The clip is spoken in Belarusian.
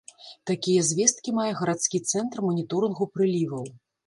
Такія звесткі мае гарадскі цэнтр маніторынгу прыліваў.